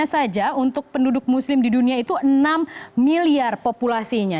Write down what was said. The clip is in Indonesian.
hanya saja untuk penduduk muslim di dunia itu enam miliar populasinya